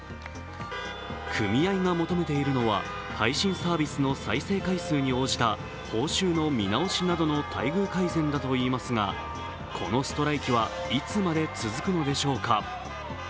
組合が求めているのは配信サービスの再生回数に応じた報酬の見直しなどの待遇改善だといいますが、このストライキはいつまで続くのでしょうか。